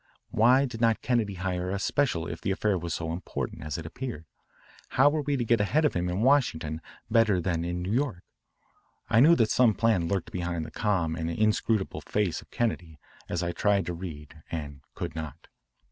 Why did not Kennedy hire a special if the affair was so important as it appeared? How were we to get ahead of him in Washington better than in New York? I knew that some plan lurked behind the calm and inscrutable face of Kennedy as I tried to read and could not.